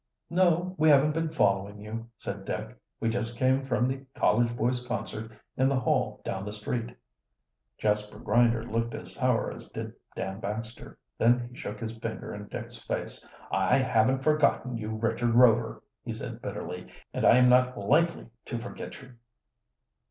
"No, we haven't been following you," said Dick. "We just came from, the college boys' concert in the hall down the street." Jasper Grinder looked as sour as did Dan Baxter. Then he shook his finger in Dick's face. "I haven't forgotten you, Richard Rover," he said bitterly. "And I am not likely to forget you."